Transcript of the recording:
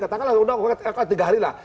katakanlah undang undang tiga hari lah